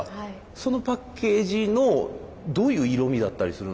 そのパッケージのどういう色みだったりするんですか？